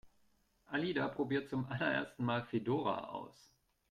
Alida probiert zum allerersten Mal Fedora aus.